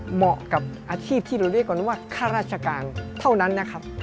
เหมาะกับอาชีพที่เราเรียกกันว่าข้าราชการเท่านั้นนะครับ